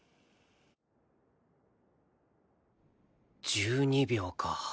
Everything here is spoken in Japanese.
１２秒か